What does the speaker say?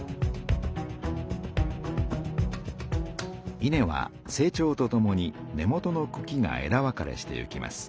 稲は成長とともに根元のくきがえだ分かれしていきます。